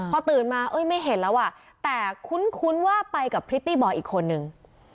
พอตื่นมาไม่เห็นแล้วอ่ะแต่คุ้นว่าไปกับพริตตี้บอยอีกคนนึง